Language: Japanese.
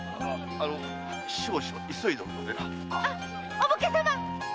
お武家様！